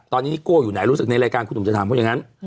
ตอนนี้นิโก้อยู่ไหนรู้สึกในรายการคุณหนุ่มจะถามเขาอย่างนั้น